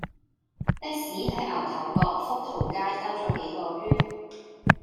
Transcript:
的士喺牛頭角福淘街兜左幾個圈